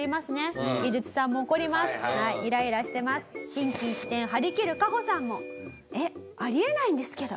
心機一転張りきるカホさんも「えっありえないんですけど」。